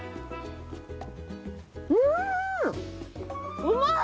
うんうまい！